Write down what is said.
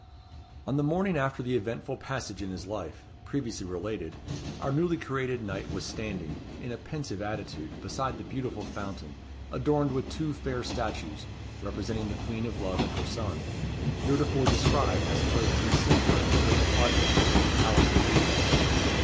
On the morning after the eventful passage in his life, previously related, our newly created knight was standing, in a pensive attitude, beside the beautiful fountain, adorned with two fair statues, representing the Queen of Love and her son, heretofore described as placed in the centre of the great quadrangle of the Palace of Theobalds.